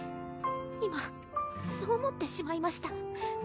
今そう思ってしまいました